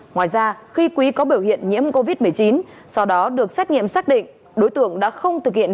ngoài ra khi quý có biểu hiện nhiễm covid một mươi chín sau đó được xét nghiệm xác định đối tượng đã không thực hiện